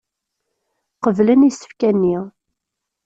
Qeblen isefka-nni.